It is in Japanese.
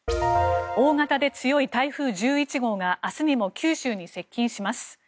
大型で強い台風１１号が明日にも九州に接近します。